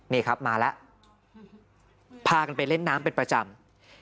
นี่ครับมาแล้วพากันไปเล่นน้ำเป็นประจำ